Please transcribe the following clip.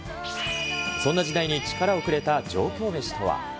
そんな時代に力をくれた上京メシとは。